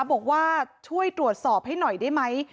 บอกว่าช่วยตรวจสอบให้หน่อยได้ไหม